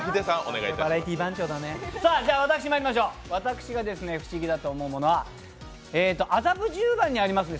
私、まいりましょう、私が不思議だと思うものは麻布十番にあります